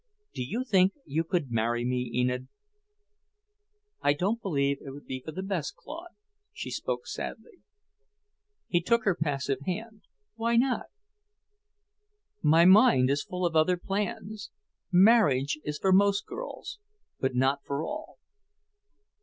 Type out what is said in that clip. Do you think you could marry me, Enid?" "I don't believe it would be for the best, Claude." She spoke sadly. He took her passive hand. "Why not?" "My mind is full of other plans. Marriage is for most girls, but not for all."